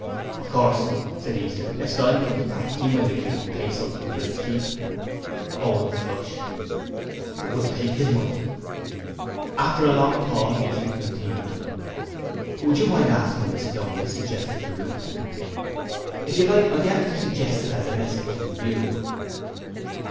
'Of course,' said Easton, 'if Slyme comes back he might agree to pay something for its keep.' Owen flushed. 'I wouldn't take his money.' After a long pause Easton continued: 'Would you mind asking Mrs Owen to suggest it to Ruth?' 'If you like I'll get her to suggest it as a message from you.'